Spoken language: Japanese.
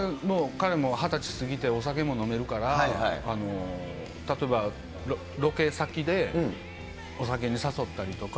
彼も２０歳過ぎてお酒も飲めるから、例えば、ロケ先でお酒に誘ったりとか。